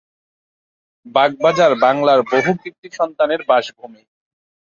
বাগবাজার বাংলার বহু কৃতি সন্তানের বাসভূমি।